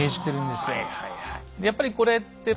やっぱりこれって。